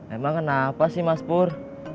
emang kenapa sih mas pur